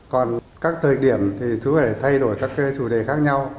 còn các thời điểm thì chú có thể thay đổi các chủ đề khác nhau